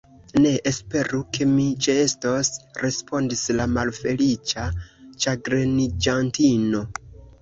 Ne esperu, ke mi ĉeestos, respondis la malfeliĉa ĉagreniĝantino.